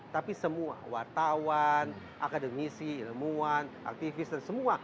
tapi semua wartawan akademisi ilmuwan aktivis dan semua